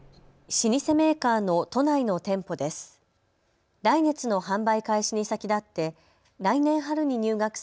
老舗メーカーの都内の店舗です。